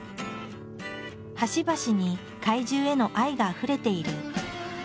端々に怪獣への愛があふれている。